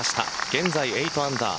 現在、８アンダー。